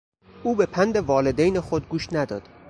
او به پند والدین خود گوش نداد.